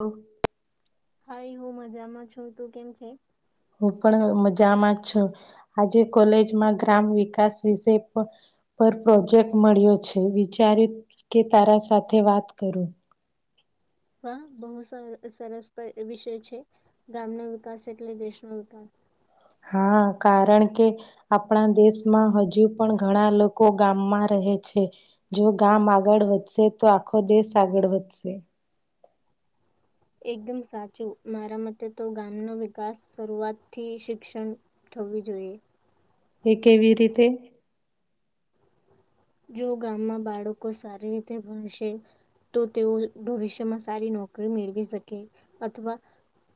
ઓ hi હું મજામાં છું તું કેમ છે? પણ મજામાં છું. આજે કોલેજમાં ગ્રામ વિકાસ વિષય પર પ્રોજેક્ટ મળ્યો છે વિચાર્યું કે તારા સાથે વાત કરું. હા બહુ સરસ વિષય છે ગામનો વિકાસ એટલે દેશનો વિકાસ. હા કારણ કે આપણા દેશમાં હજુ પણ ઘણા લોકો ગામમાં રહે છે. જો ગામ આગળ વધશે તો આખો દેશ આગળ વધશે. એકદમ સાચું મારા મતે તો ગામનો વિકાસ શરૂઆતથી શિક્ષણ થવી જોઈએ. એ કેવી રીતે? જો ગામમાં બાળકો સારી રીતે ભણશે તો તેઓ ભવિષ્યમાં સારી નોકરી મેળવી શકે અથવા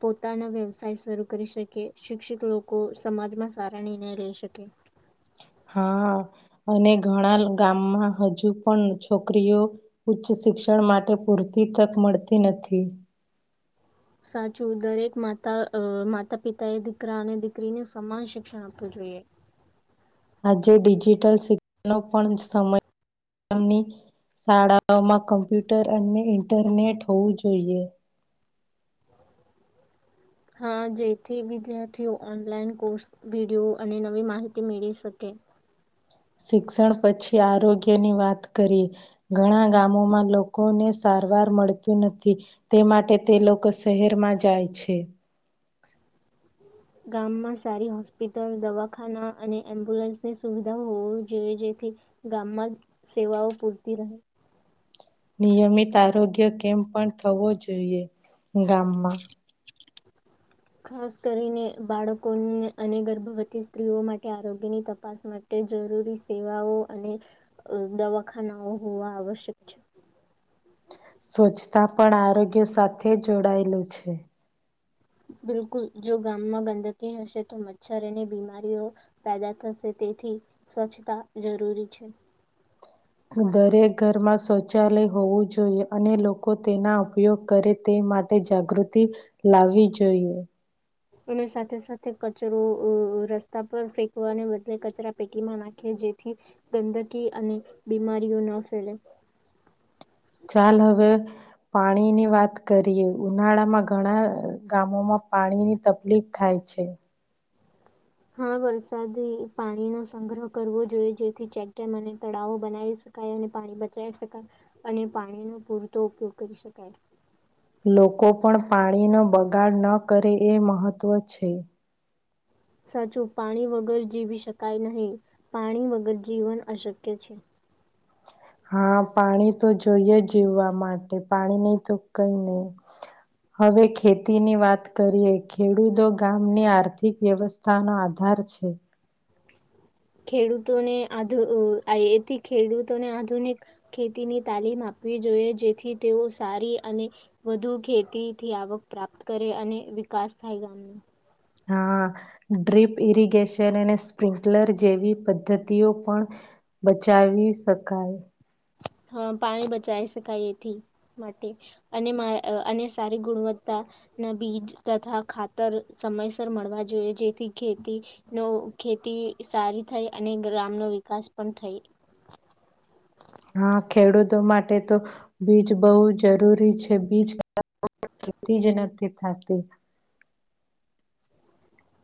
પોતાના વ્યવસાય શરૂ કરી શકે શિક્ષિત લોકો સમાજમાં સારા નિર્ણય લઈ શકે. હા અને ઘણા ગામમાં હજુ પણ છોકરીઓ ઉચ્ચ શિક્ષણ માટે પૂરતી તક મળતી નથી. સાચું દરેક માતા માતા પિતાએ દીકરા અને દીકરીને સમાન શિક્ષણ આપવું જોઈએ. આજે ડિજિટલ [unintelligible] પણ સમયની શાળાઓમાં કમ્પ્યુટર અને ઇન્ટરનેટ હોવું જોઈએ. હા જેથી વિદ્યાર્થીઓ ઓનલાઈન કોર્સ વિડીયો અને નવી માહિતી મેળવી શકે. શિક્ષણ પછી આરોગ્યની વાત કરીએ. ઘણા ગામોમાં લોકોને સારવાર મળતું નથી. તે માટે તે લોકો શહેરમાં જાય છે. ગામમાં સારી હોસ્પિટલ, દવાખાના અને એમ્બ્યુલન્સની સુવિધાઓ હોવી જોઈએ જેથી ગામમાં સેવાઓ પૂરતી રહે. નિયમિત આરોગ્ય કેમ્પ પણ થવો જોઈએ ગામમાં. ખાસ કરીને બાળકો અને ગર્ભવતી સ્ત્રીઓ માટે આરોગ્યની તપાસ માટે જરૂરી સેવાઓ અને દવાખાનાઓ હોવા આવશ્યક છે. સ્વચ્છતા પણ આરોગ્ય સાથે જોડાયેલું છે. બિલકુલ જો ગામમાં ગંદકી હશે તો મચ્છર અને બીમારીઓ પેદા થશે તેથી સ્વચ્છતા જરૂરી છે. દરેક ઘરમાં શૌચાલય હોવું જોઈએ અને લોકો તેના ઉપયોગ કરે તે માટે જાગૃતિ લાવવી જોઈએ. અને સાથે સાથે કચરો રસ્તા પર ફેંકવાને બદલે કચરા પેટીમાં નાખે જેથી ગંદકી અને બીમારીઓ ન ફેલે. ચાલ હવે પાણીની વાત કરીએ ઉનાળામાં ઘણા ગામોમાં પાણીની તકલીફ થાય છે. હા વરસાદી પાણીનો સંગ્રહ કરવો જોઈએ જેથી ચેકડેમ અને તળાવો બનાવી શકાય અને પાણી બચાવી શકાય અને પાણીનો પૂરતો ઉપયોગ કરી શકાય. લોકો પણ પાણીનો બગાડ ન કરે એ મહત્વ છે. સાચું પાણી વગર જીવી શકાય નહીં પાણી વગર જીવન અશક્ય છે. હા પાણી તો જોઈએ જીવવા માટે પાણી નઈ તો કઈ નહી. હવે ખેતીની વાત કરીએ ખેડૂતો ગામની આર્થિક વ્યવસ્થાનો આધાર છે. ખેડૂતોને આ એથી ખેડૂતોને આધુનિક ખેતીની તાલીમ આપવી જોઈએ જેથી તેઓ સારી અને વધુ ખેતીથી આવક પ્રાપ્ત કરે અને વિકાસ થાય ગામનો હા ડ્રીપ ઇરિગેશન અને સ્પ્રિન્કલર જેવી પદ્ધતિઓ પણ બચાવી શકાય. પાણી બચાવ શકાય એથી માટે અને અને સારી ગુણવત્તાના બીજ તથા ખા હા ખેડૂતો માટે તો બીજ બહુ જરૂરી છે બીજ [unintelligible]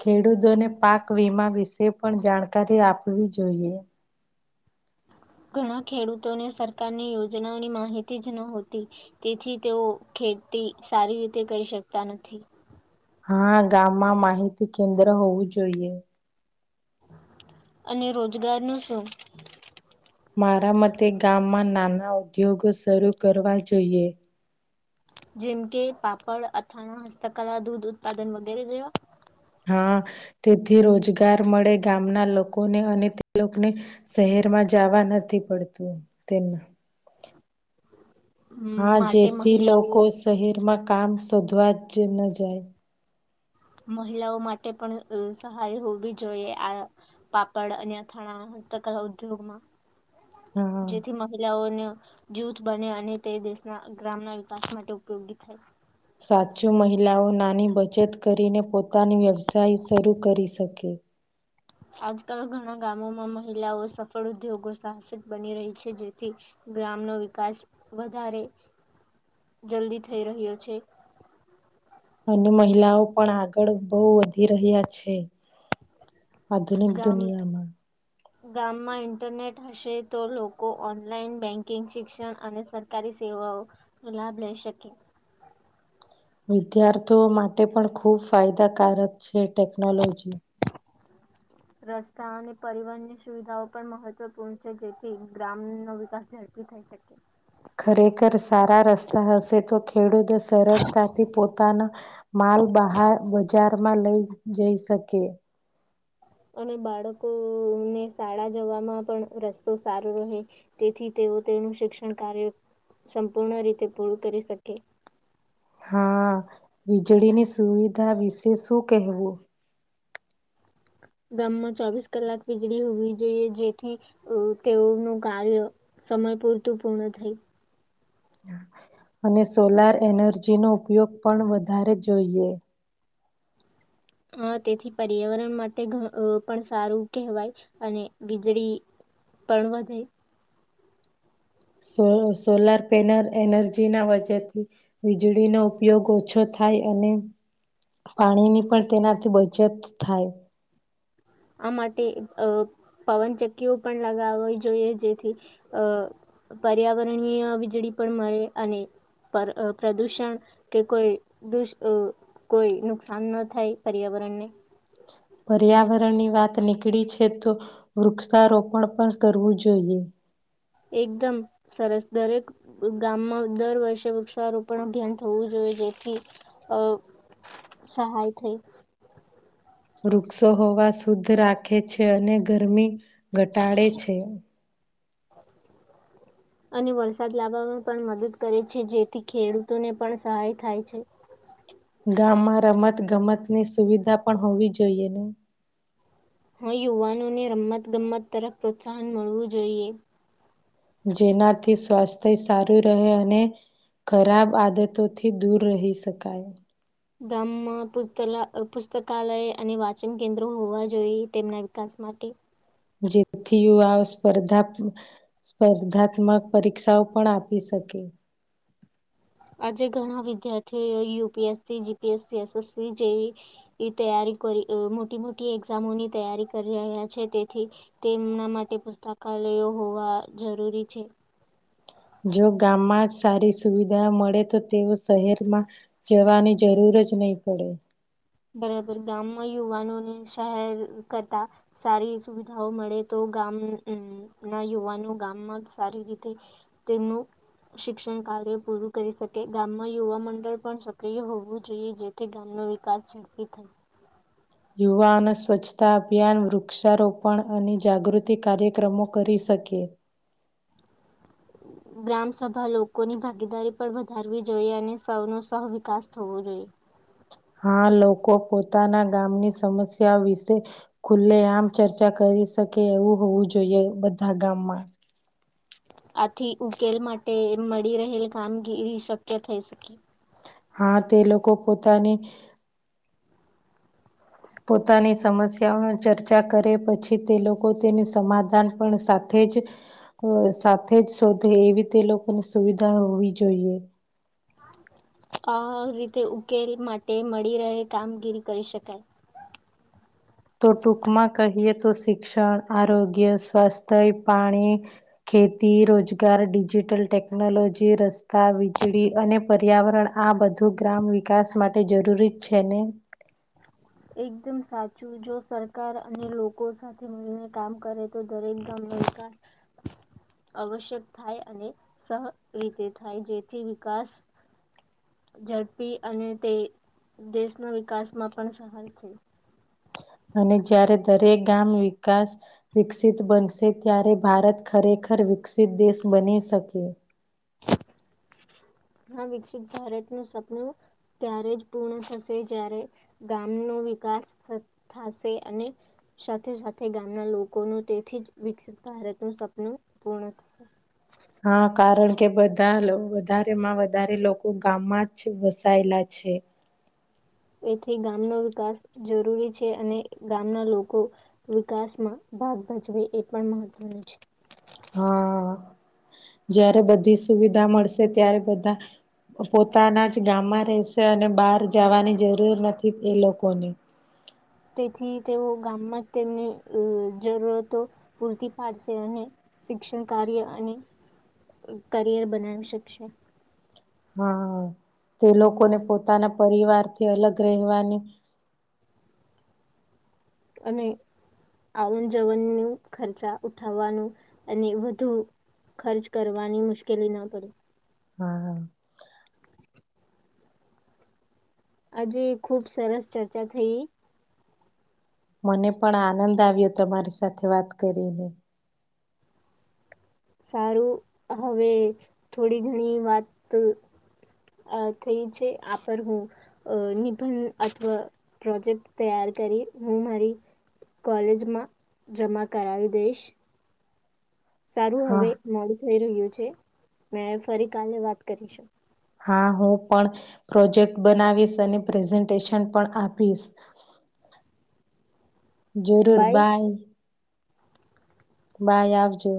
ખેડૂતોને પાક વીમા વિશે પણ જાણકારી આપવી જોઈએ. ઘણા ખે [inaudible] અને રોજગારનું શું? મારા મતે ગામમાં નાના ઉદ્યોગો શરૂ કરવા જોઈએ. જેમ કે પાપડ, અથાણા, હસ્તકલા, દૂધ ઉત્પાદન વગેરે જેવા હા, તેથી રોજગાર મળે ગામના લોકોને અને તે લોકોને શહેર માં જવા નથી પડતું. તન. મ, હા, માટે જેથી મહિલાઓ લોકો શહેરમાં કામ શોધવા જે ન જાય. મહિલાઓ માટે પણ સહારી હોવી જોઈએ, આ પાપડ અને અથાણા ઉદ્યોગમાં. હા જેથી મહિલાઓને જૂથ બને અને તે દેશના ગ્રામના વિકાસ માટે ઉપયોગી થાય. સાચું મહિલાઓ નાની બચત કરીને પોતાનો વ્યવસાય શરૂ કરી શકે. આજકાલ ઘણા ગામોમાં મહિલાઓ સફળ ઉદ્યોગો સાહસિક બની રહી છે, જેથી ગ્રામનો વિકાસ વધારે જલ્દી થઈ રહ્યો છે. અને મહિલાઓ પણ આગળ બહુ વધી રહ્યા છે. આધુનિક ગામ દુનિયામાં ગામમાં ઈન્ટરનેટ હશે તો લોકો ઓનલાઈન બેન્કિંગ શિક્ષણ અને સરકારી સેવાઓનો લાભ લઈ શકે. વિદ્યાર્થીઓ માટે પણ ખૂબ ફાયદાકારક છે, ટેકનોલોજી રસ્તા અને પરિવહન ની સુવિધાઓ પણ મહત્વપૂર્ણ છે, જેથી ગ્રામ નો વિકાસ ઝડપી થઈ શકે. ખરેખર સારા રસ્તા હશે તો ખેડૂતો સરળતાથી પોતાનો માલ બહાર બજારમાં લઈ જઈ શકે. અને બાળકોને શાળા જવામાં પણ રસ્તો સારો રહે તેથી તેઓ તેનું શિક્ષણ કાર્ય સંપૂર્ણ રીતે પૂરું કરી શકે. હા, વીજળીની સુવિધા વિશે શું કેહેવું. ગામમાં ચોવીસ કલાક વીજળી હોવી જોઈએ, જેથી તેઓનું કાર્ય સમય પૂરતું પૂર્ણ થાય. અને સોલાર એનર્જી નો ઉપયોગ પણ વધારે જોઈએ. હ તેથી પર્યાવરણ માટે પણ સારું કહેવાય અને વીજળી પણ વધે. સોલ સોલાર પેનલ એનર્જી ના વ્ેથી વીજળીનો ઉપયોગ ઓછો થાય, અને પાણીની પણ તેનાથી બચત થાય. આ માટે અ પવનચક્કીઓ પણ લગાવવી જોઈએ, જેથી અ પર્યાવરણીય વીજળી પણ મળે અને પ્રદૂષણ કે કોઈ કોઈ નુકસાન ન થાય પર્યાવરણને. પર્યાવરણની વાત નીકળી છે, તો વૃક્ષારોપણ પણ કરવું જોઈએ. એકદમ સરસ દરેક ગામમાં દર વર્ષે વૃક્ષારોપણ અભ્યાન થવું જોઈએ, જેથી સહાય થઈ. વૃક્ષો હોવા શુદ્ધ રાખે છે, અને ગરમી ઘટાડે છે. અને વરસાદ લાવવામાં પણ મદદ કરે છે, જેથી ખેડૂતોને પણ સહાય થાય છે. ગામમાં રમત ગમતની સુવિધા પણ હોવી જોઈએ. હ યુવાનોને રમત ગમત તરફ પ્રોત્સાહન મળવું જોઈએ. જેનાથી સ્વાસ્થ્ય સારું રહે અને ખરાબ આદતોથી દૂર રહી શકાય. ગામમાં પુસ્તકાલય અને વાચન કેન્દ્રો હોવા જોઈએ, તેમના વિકાસ માટે. જેથી યુવાઓ સ્પર્ધા સ્પર્ધાત્મક પરીક્ષાઓ પણ આપી શકે. આજે ઘણા વિદ્યાર્થીઓ યુપીએસસી જીપીએસસી એસએસસી જેવી તૈયારી કરી મોટી મોટી એક્ઝામોની તૈયારી કરી રહ્યા છે, તેથી તેમના માટે પુસ્તકાલયો હોવા જરૂરી છે. જો ગામમાં સારી સુવિધા મળે તો તેઓ શહેરમાં જવાની જરૂર જ નહી પડે. બરાબર ગામમાં યુવાનોને શહેર કરતા સારી સુવિધાઓ મળે તો ગામ ના યુવાનો ગામમાં સારી રીતે તેમનું શિક્ષણ કાર્ય પૂરું કરી શકે ગામમાં યુવા મંડળ પણ સક્રિય હોવું જોઈએ, જેથી ગામનો વિકાસ ચપી થાય. યુવાન સ્વચ્છતા અભિયાન વૃક્ષારોપણ અને જાગૃતિ કાર્યક્રમો કરી શકે. ગ્રામ સભા લોકોની ભાગીદારી પર વધારવી જોઈએ, અને સૌનો સૌ વિકાસ થવો જોઈએ. હા, લોકો પોતાના ગામની સમસ્યા વિશે ખુલ્લે આમ ચર્ચા કરી શકે એવું હોવું જોઈએ, બધા ગામમાં આથી ઉકેલ માટે મળી રહેલ કામગીરી શક્ય થઈ શકે. હા તે લોકો પોતાની પોતાની સમસ્યાઓ ચર્ચા કરે પછી તે લોકો તેની સમાધાન પણ સાથે જ સાથે જ શોધે એવી તે લોકોની સુવિધા હોવી જોઈએ. આ રીતે ઉકેલ માટે મળી રહે કામગીરી કરી શકાય તો ટૂંકમાં કહીએ તો શિક્ષણ આરોગ્ય સ્વાસ્થ્ય પાણી ખેતી રોજગાર ડિજિટલ ટેકનોલોજી રસ્તા વીજળી અને પર્યાવરણ આ બધું ગ્રામ વિકાસ માટે જરૂરી જ છે ને એકદમ સાચું જો સરકાર અને લોકો સાથે મળને કામ કરે તો દરેક ગામનો વિકાસ આવશ્યક થાય અને સહ રીતે થાય જેથી વિકાસ ઝડપી અને તે દેશના વિકાસમાં પણ સ છે અને જ્યારે દરેક ગામ વિકાસ વિકસિત બનશે ત્યારે ભારત ખરેખર વિકસિત દેશ બની શકે હ વિકસિત ભારતનું સપનું ત્યારે જ પૂર્ણ થશે જ્યારે ગામનો વિકાસ થશે અને સાથે સાથે ગામના લોકોનું તેથી જ વિકસિત ભારતનું સપનું પૂર્ણ થશે હા કારણ કે બધા વધારેમાં વધારે લોકો ગામમાં જ વસાયેલા છે એથી ગામનો વિકાસ જરૂરી છે અને ગામના લોકો વિકાસમાં ભાગ ભજવે એ પણ મહત્વનું છે હા જારે બધી સુવિધા મળશે ત્યારે બધા પોતાના જ ગામમાં રહેશે અને બહાર જવાની જરૂર નથી એ લોકોને તેથી તેઓ ગામમાં તેમની જરૂરતો પૂરતી પાડશે અને શિક્ષણ કાર્ય અને કરિયર બનાવી શકશે હા તે લોકોને પોતાના પરિવારથી અલગ રહેવાની અને આવન જવન ન ખર્ચા ઉઠાવવાનું અને વધુ ખર્ચ કરવાની મુશ્કેલી ના પડીે હા હ હજ ખુબ સરસ ચર્ચા થઈ મને પણ આનંદ આવ્યો તમારી સાથે વાત કરીને સારું હવે થોડી ઘણી વાત થઈ છે આ પર હું નિબંધ અથવા પ્રોજેક્ટ તૈયાર કરી હું મારી કોલેજમાં જમા કરાવી દઈશ સારું હા હવે મળ થઈ રહ્યું છે મે ફરી કાલે વાત કરીશું હા હું પણ પ્રોજેક્ટ બનાવીશ અને પ્રેઝન્ટેશન પણ આપીશ જરૂર બાય બાય આવજો